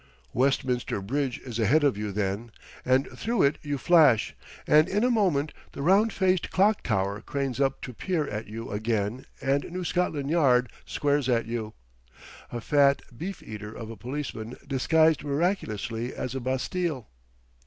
Westminster Bridge is ahead of you then, and through it you flash, and in a moment the round faced clock tower cranes up to peer at you again and New Scotland Yard squares at you, a fat beef eater of a policeman disguised miraculously as a Bastille.